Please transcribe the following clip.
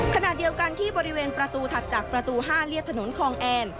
ขณะเดียวกันที่บริเวณประตูถัดจากประตู๕เรียบถนนคลองแอน